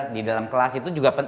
di dalam kelas itu juga penting